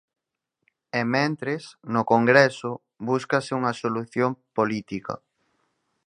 E, mentres, no Congreso, búscase unha solución política.